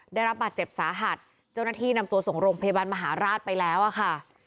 ได้รับบาดเจ็บสาหัสเจ้าหน้าที่นำตัวส่งโรงพยาบาลมหาราชไปแล้วอะค่ะ